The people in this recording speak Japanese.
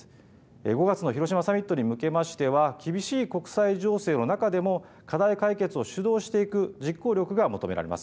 ５月の広島サミットに向けましては、厳しい国際情勢の中でも課題解決を主導していく実行力が求められます。